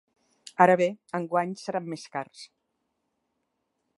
Ara bé, enguany seran més cars.